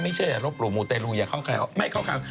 เชื่ออย่าลบหลู่มูเตรลูอย่าเข้าใครออกไม่เข้าใคร